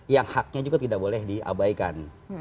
yang haknya juga tidak boleh diabaikan